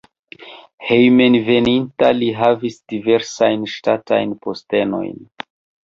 Hejmenveninta li havis diversajn ŝtatajn postenojn.